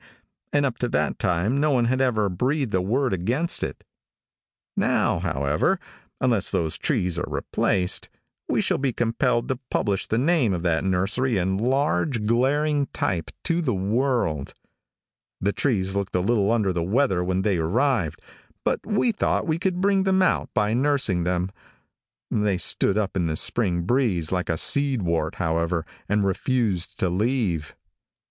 and up to that time no one had ever breathed a word against it. Now, however, unless those trees are replaced, we shall be compelled to publish the name of that nursery in large, glaring type, to the world. The trees looked a little under the weather when they arrived, but we thought we could bring them out by nursing them. They stood up in the spring breeze like a seed wart, however, and refused to leave.